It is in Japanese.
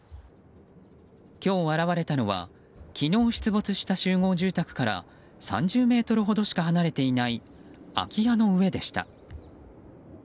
今日、現れたのは昨日、出没した集合住宅から３０ｍほどしか離れていない空き家の上でした。